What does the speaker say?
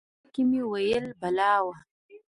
زړه کې مې ویل بلا وه.